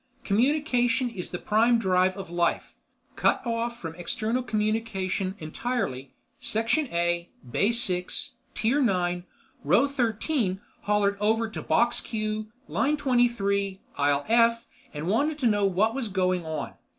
Communication is the prime drive of life. Cut off from external communication entirely, section A, bay 6, tier 9, row 13 hollered over to box Q, line 23, aisle F and wanted to know what was going on.